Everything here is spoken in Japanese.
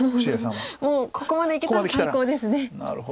もうここまでいけたら最高ですね。